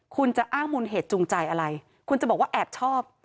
คุณจะอ้างมูลเหตุจูงใจอะไรคุณจะบอกว่าแอบชอบ